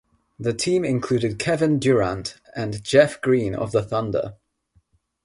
The team included Kevin Durant and Jeff Green of the Thunder.